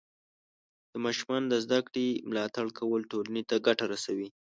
د ماشومانو د زده کړې ملاتړ کول ټولنې ته ګټه رسوي.